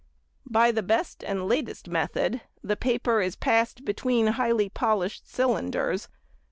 By the best and latest method, the paper is passed between highly polished cylinders.